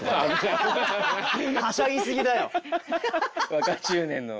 若中年の。